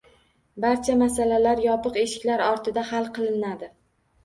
Barcha masalalar yopiq eshiklar ortida hal qilinadi